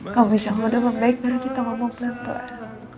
kalau misalnya udah lambat kita ngomong pelan pelan